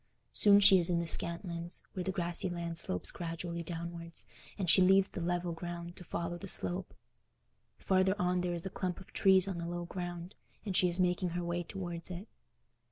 Soon she is in the Scantlands, where the grassy land slopes gradually downwards, and she leaves the level ground to follow the slope. Farther on there is a clump of trees on the low ground, and she is making her way towards it.